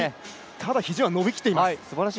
ただ、肘は伸びきっています。